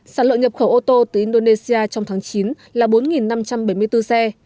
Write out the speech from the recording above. sản lượng nhập khẩu ô tô từ indonesia trong tháng chín là bốn năm trăm bảy mươi bốn xe